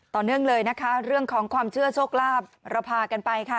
ต่อเนื่องเลยนะคะเรื่องของความเชื่อโชคลาภเราพากันไปค่ะ